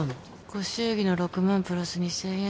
ご祝儀の６万プラス２千円